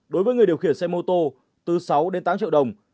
đối với người điều khiển xe mô tô từ sáu đến tám triệu đồng